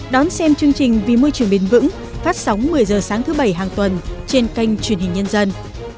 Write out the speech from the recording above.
đón xem chương trình vì môi trường bền vững phát sóng một mươi h sáng thứ bảy hàng tuần trên kênh truyền hình nhân dân